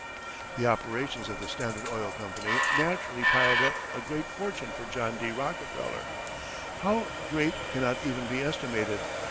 The operations of the Standard Oil Company naturally piled up a great fortune for John D. Rockefeller how great cannot even be estimated.